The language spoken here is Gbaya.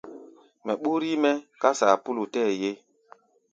Mɛ ɓúr yí-mɛ́ ká saapúlu tɛɛ́ ye.